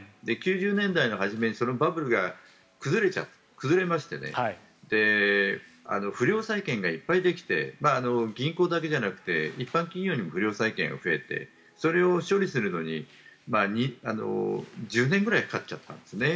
９０年代初めにそのバブルが崩れまして不良債権がいっぱいできて銀行だけじゃなくて一般企業にも不良債権が増えてそれを処理するのに１０年くらいかかっちゃったんですね。